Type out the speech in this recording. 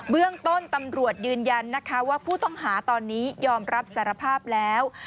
เรื่องต้นตำรวจยืนยันนะคะว่าผู้ต้องหาตอนนี้ยอมรับสารภาพแล้ว